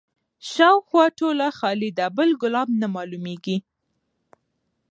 شاوخوا ټوله خالي ده بل ګلاب نه معلومیږي